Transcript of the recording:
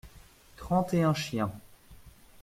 Trente et un chiens.